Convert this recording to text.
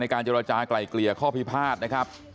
ในการจราจาไก่เกลี่ยข้อพิพาทนะครับ